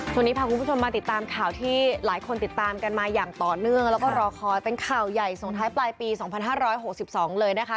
วันนี้พาคุณผู้ชมมาติดตามข่าวที่หลายคนติดตามกันมาอย่างต่อเนื่องแล้วก็รอคอเป็นข่าวใหญ่สงท้ายปลายปีสองพันห้าร้อยหกสิบสองเลยนะคะ